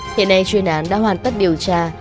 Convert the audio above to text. hiện nay chuyên án đã hoàn tất điều tra